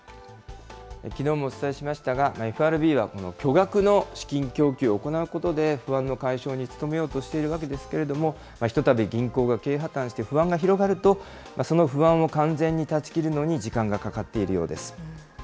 きのうもお伝えしましたが、ＦＲＢはこの巨額の資金供給を行うことで、不安の解消に努めようとしているわけですけれども、ひとたび銀行が経営破綻して不安が広がると、その不安を完全に断ち切るのに時間がかかっているようです。